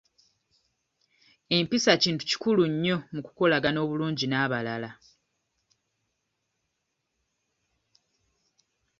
Empisa kintu kikulu nnyo mu kukolagana obulungi n'abalala.